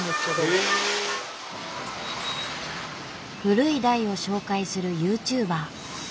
古い台を紹介するユーチューバー。